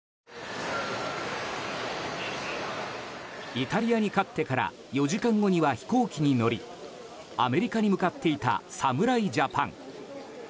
イタリアに勝ってから４時間後には飛行機に乗りアメリカに向かっていた侍ジャパン。